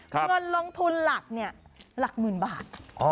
เงินลงทุนหลักเนี่ยหลักหมื่นบาท